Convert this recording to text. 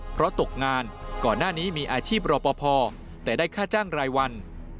เพราะตกงานก่อนหน้านี้มีอาชีพรอปภแต่ได้ค่าจ้างรายวัน